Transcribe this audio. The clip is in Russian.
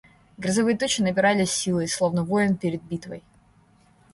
Грозовые тучи набирались силой, словно воин перед битвой.